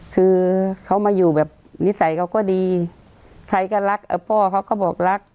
คือเขามาอยู่แบบนิสัยเขาก็ดีใครก็รักพ่อเขาก็บอกรัก